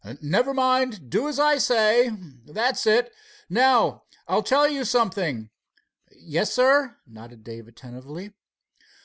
"Never mind. Do as I say. That's it. Now I'll tell you something." "Yes, sir," nodded Dave attentively.